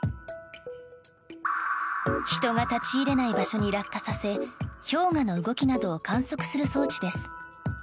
人が立ち入れない場所に落下させ氷河の動きなどを観測する装置です。